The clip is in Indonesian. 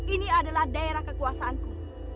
ini adalah daerah kekuasaanku